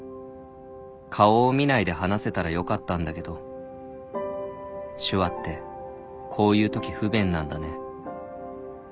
「顔を見ないで話せたらよかったんだけど手話ってこういうとき不便なんだね」